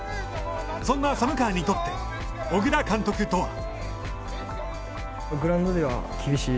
そんな寒川にとって小倉監督とは。